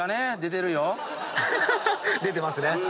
出てますね